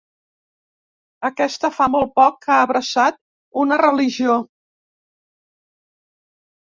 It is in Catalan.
Aquesta fa molt poc que ha abraçat una religió.